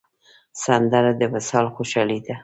سندره د وصال خوشحالي ده